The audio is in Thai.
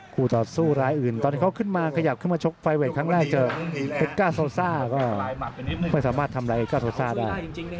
คู่ต่อสู้รายอื่นตอนที่เขาขึ้นมาขยับขึ้นมาชกไฟเวทครั้งแรกเจอเพชรก้าโซซ่าก็ไม่สามารถทำอะไรเอก้าโซซ่าได้